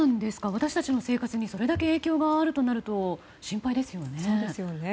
私たちの生活にそれだけ影響があるとなると心配ですよね。